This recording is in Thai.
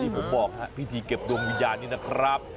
ผมบอกพิธีเก็บดวงวิญญาณนี้นะครับ